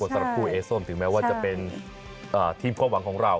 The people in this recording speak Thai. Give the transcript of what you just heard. เพราะสังคมสันคู่เอซ้มถึงแม้จะเป็นที่ความหวังของเรา